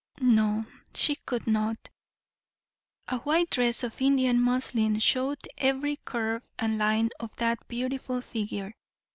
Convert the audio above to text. No, she could not. A white dress of Indian muslin showed every curve and line of that beautiful figure.